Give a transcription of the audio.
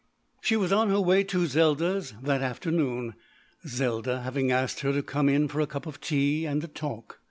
She was on her way to Zelda's that afternoon, Zelda having asked her to come in for a cup of tea and a talk.